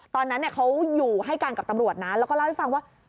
ตอนนั้นเขาอยู่ให้การกับตำรวจนะแล้วก็เล่าให้ฟังว่า